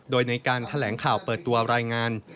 โดยในการแถลงข่าวเปิดตัวรายงาน